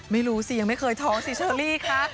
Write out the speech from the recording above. ไม่รู้สิยังไม่เคยท้องสิเชอรี่คะ